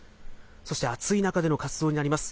そして暑い中での活動になります。